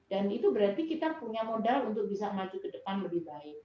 dan itu berarti kita punya modal untuk bisa maju ke depan lebih baik